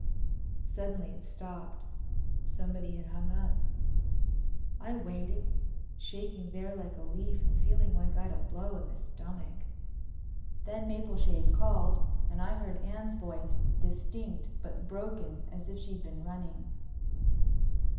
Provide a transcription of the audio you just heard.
Suddenly it stopped—somebody had hung up. I waited, shaking there like a leaf and feeling like I'd a blow in the stomach. Then Mapleshade called and I heard Anne's voice, distinct but broken as if she'd been running.